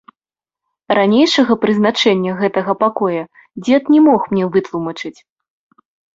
Ранейшага прызначэння гэтага пакоя дзед не мог мне вытлумачыць.